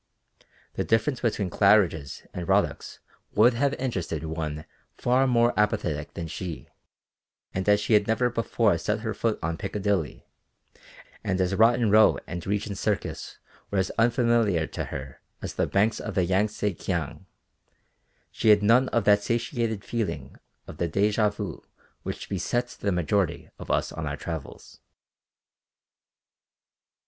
The difference between Claridge's and Rodick's would have interested one far more apathetic than she, and as she had never before set her foot on Piccadilly, and as Rotten Row and Regent Circus were as unfamiliar to her as the banks of the Yang tse Kiang, she had none of that satiated feeling of the dejà vu which besets the majority of us on our travels.